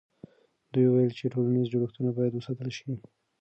دوی وویل چې ټولنیز جوړښتونه باید وساتل سي.